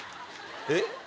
えっ？